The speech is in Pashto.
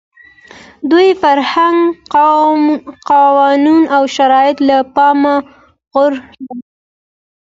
دوی فرهنګ، قانون او شرایط له پامه غورځوي.